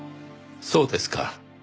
そうですか。